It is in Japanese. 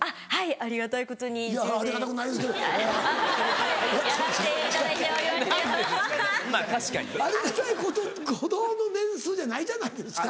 ありがたいことほどの年数じゃないじゃないですか。